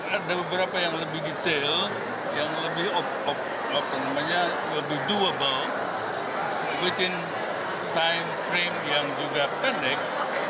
ada beberapa yang lebih detail yang lebih doable quick in time frame yang juga pendek